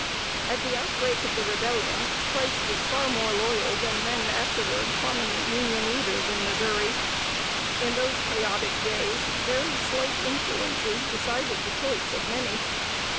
At the outbreak of the Rebellion, Price was far more loyal than men afterward prominent Union leaders in Missouri. In those chaotic days, very slight influences decided the choice of many.